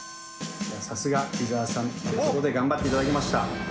さすが伊沢さんということで頑張っていただきました。